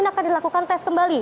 akan dilakukan tes kembali